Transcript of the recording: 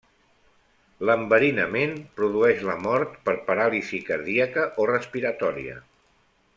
L'enverinament produeix la mort per paràlisi cardíaca o respiratòria.